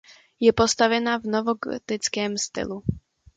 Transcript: Je postavena v novogotickém stylu.